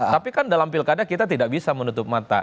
tapi kan dalam pilkada kita tidak bisa menutup mata